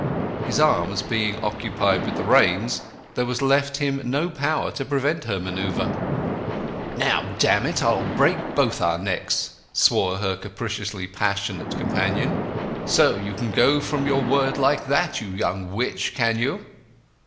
His arms being occupied with the reins there was left him no power to prevent her manœuvre. "Now, damn it—I'll break both our necks!" swore her capriciously passionate companion. "So you can go from your word like that, you young witch, can you?"